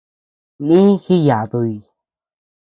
Lï jiyaduy.